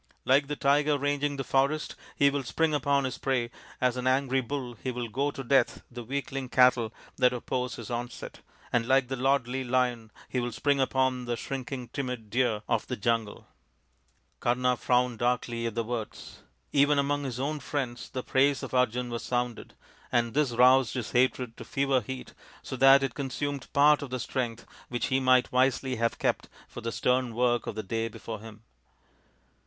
Like the tiger ranging the forest he will spring upon his prey, as an angry bull he will gore to death the weakling cattle that oppose his onset, and like the lordly lion he will spring upon the shrinking timid deer of the jungle." Kama frowned darkly at the words. Even among his own friends the praise of Arjun was sounded, and this roused his hatred to fever heat so that it con sumed part of the strength which he might wisely have kept for the stern work of the day before him.